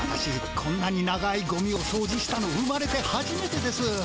こんなに長いゴミをそうじしたの生まれてはじめてです。